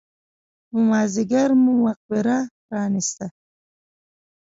په مازیګر مو مقبره پرانېسته.